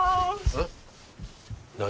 えっ？